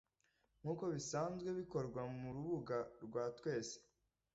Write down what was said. nk'uko bisanzwe bikorwa mu Urubuga Rwa Twese.